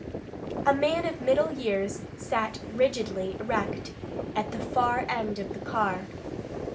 A man of middle years sat rigidly erect at the far end of the car.